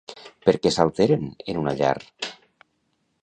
Per què s'alteren en una llar?